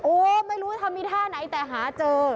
โอ้ไม่รู้มีท่าไหนแต่หาเจอ